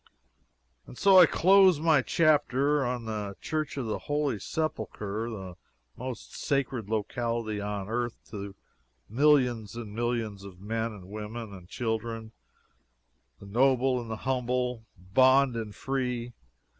And so I close my chapter on the Church of the Holy Sepulchre the most sacred locality on earth to millions and millions of men, and women, and children, the noble and the humble, bond and free.